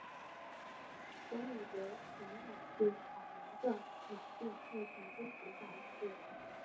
所有得传染性海绵状脑病目前均无法医治。